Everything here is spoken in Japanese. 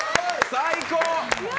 最高！